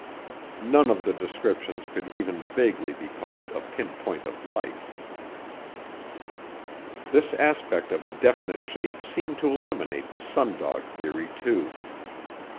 None of the descriptions could even vaguely be called a pinpoint of light. This aspect of a definite shape seemed to eliminate the sundog theory too.